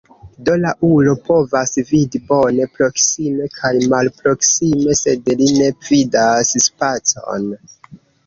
Do la ulo povas vidi bone proksime kaj malproksime, sed li ne vidas spacon.